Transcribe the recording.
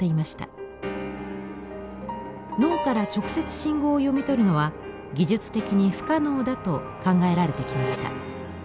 脳から直接信号を読み取るのは技術的に不可能だと考えられてきました。